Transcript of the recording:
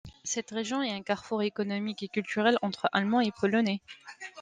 Cette région est un carrefour économique et culturel entre Allemands et Polonais.